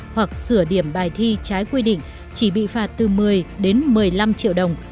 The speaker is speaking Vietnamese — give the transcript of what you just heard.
hoặc sửa điểm bài thi trái quy định chỉ bị phạt từ một mươi đến một mươi năm triệu đồng